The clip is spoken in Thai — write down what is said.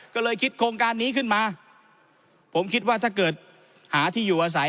ก็เลยคิดโครงการนี้ขึ้นมาผมคิดว่าถ้าเกิดหาที่อยู่อาศัย